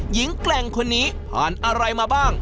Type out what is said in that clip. แกร่งคนนี้ผ่านอะไรมาบ้าง